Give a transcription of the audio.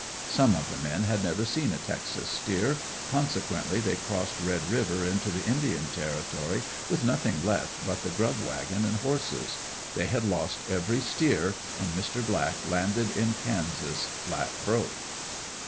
Some of the men had never seen a Texas steer, consequently they crossed Red river into the Indian territory with nothing left but the "grub" wagon and horses. They had lost every steer and Mr. Black landed in Kansas flat broke.